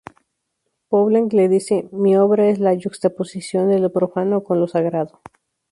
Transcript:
Poulenc le dice "mi obra es la yuxtaposición de lo profano con lo sagrado".